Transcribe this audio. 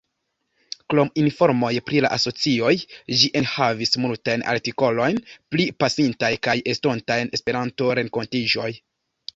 Krom informoj pri la asocioj, ĝi enhavis multajn artikolojn pri pasintaj kaj estontaj Esperanto-renkontiĝoj.